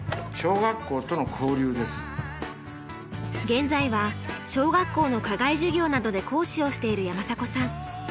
現在は小学校の課外授業などで講師をしている山迫さん。